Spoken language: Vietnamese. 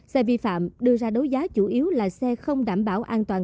xe vi phạm đưa ra đấu giá chủ yếu là xe không đảm bảo an toàn